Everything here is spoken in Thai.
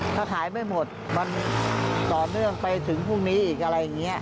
ถ้าขายไม่หมดมันต่อเนื่องไปถึงพรุ่งนี้อีกอะไรอย่างนี้